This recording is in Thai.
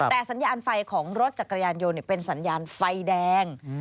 แต่สัญญาณไฟของรถจักรยานยนต์เป็นสัญญาณไฟแดง